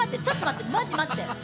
ちょっと待って！